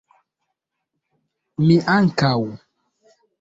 Mi ankaŭ!